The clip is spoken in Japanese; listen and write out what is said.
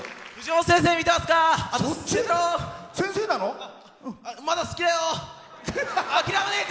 先生、見てますか！